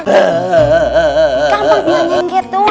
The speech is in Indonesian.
gampang di nyengket tuh